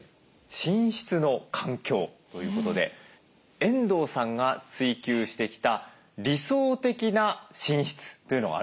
「寝室の環境」ということで遠藤さんが追求してきた「理想的な寝室」というのがあるそうなんですね。